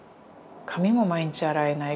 髪も毎日洗えない。